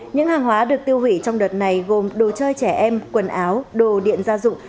những hàng hóa được tiêu hủy trong đợt này gồm đồ chơi trẻ em quần áo đồ điện gia dụng